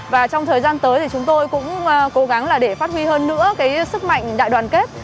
và trong thời gian tới thì chúng tôi cũng cố gắng là để phát huy hơn nữa cái sức mạnh đại đoàn kết